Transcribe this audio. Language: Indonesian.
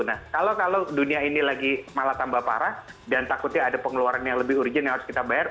nah kalau dunia ini lagi malah tambah parah dan takutnya ada pengeluaran yang lebih urgent yang harus kita bayar